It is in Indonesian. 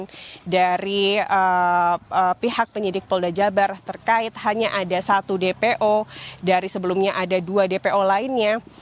keterangan dari pihak penyidik polda jabar terkait hanya ada satu dpo dari sebelumnya ada dua dpo lainnya